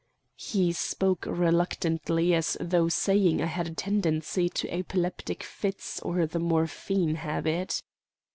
He spoke reluctantly as though saying I had a tendency to epileptic fits or the morphine habit.